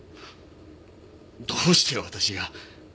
どうして私が。